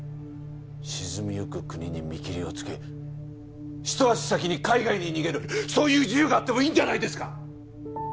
沈みゆく国に見切りをつけひと足先に海外に逃げるそういう自由があってもいいんじゃないですか！